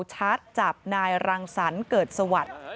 ชัดจับนายรังสรรเกิดสวัสดิ์